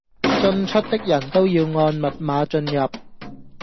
進出的人都要按密碼進入